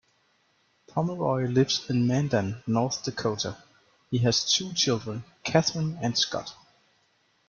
Pomeroy lives in Mandan, North Dakota; he has two children, Kathryn and Scott.